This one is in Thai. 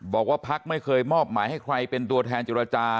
บอกว่าพักไม่เคยมอบหมายให้ใครเป็นตัวแทนจิรจา